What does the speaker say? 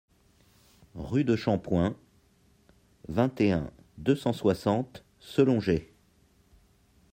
Rue de Champoint, vingt et un, deux cent soixante Selongey